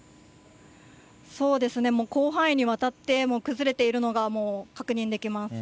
そうですね、もう広範囲にわたって崩れているのがもう確認できます。